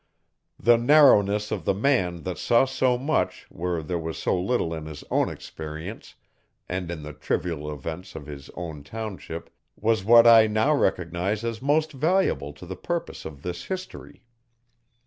The narrowness of the man that saw so much where there was so little in his own experience and in the trivial events of his own township was what I now recognise as most valuable to the purpose of this history.